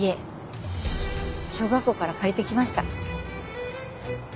小学校から借りてきました。